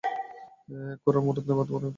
এক কড়ার মুরদ নেই, ভাত মারবার গোঁসাই।